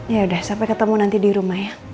ya udah sampai ketemu nanti di rumah ya